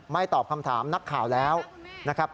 ตอบคำถามนักข่าวแล้วนะครับ